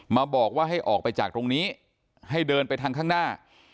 มาบอกว่าให้ออกไปจากตรงนี้ให้เดินไปทางข้างหน้า